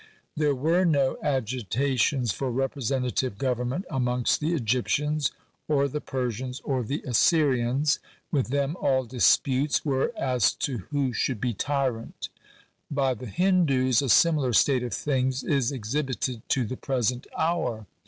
There were no agitations for representative government amongst the Egyp tians, or the Persians, or the Assyrians ; with them all disputes were as to who should be tyrant By the Hindoos a similar state of things is exhibited to the present hour.